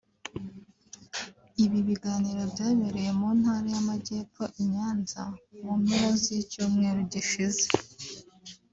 Ibi biganiro byabereye mu Ntara y’Amajyepfo i Nyanza mu mpera z’icyumweru gishize